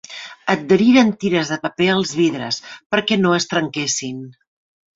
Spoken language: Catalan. Adheriren tires de paper als vidres perquè no es trenquessin.